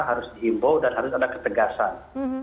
harus dihimbau dan harus ada ketegasan